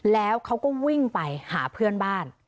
แล้วเขาก็วิ่งไปหาเพื่อนบ้าน